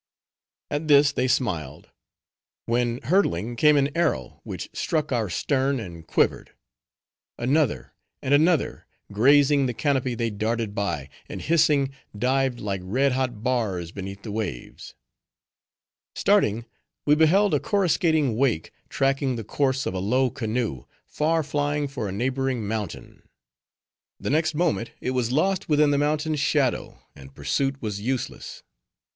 At this they smiled. When hurtling came an arrow, which struck our stern, and quivered. Another! and another! Grazing the canopy, they darted by, and hissing, dived like red hot bars beneath the waves. Starting, we beheld a corruscating wake, tracking the course of a low canoe, far flying for a neighboring mountain. The next moment it was lost within the mountain's shadow and pursuit was useless.